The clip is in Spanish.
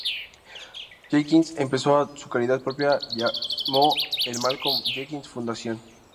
Jenkins empezó su caridad propia llamó El Malcolm Jenkins Fundación.